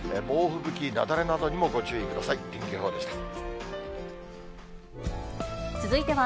猛吹雪、雪崩などにもご注意ください。